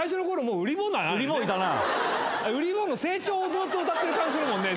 うり坊の成長をずっと歌ってる感じするもんね。